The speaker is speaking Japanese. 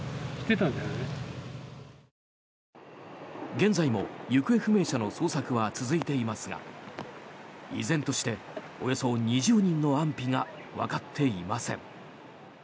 現在も行方不明者の捜索は続いていますが依然としておよそ２０人の安否がわかっていません。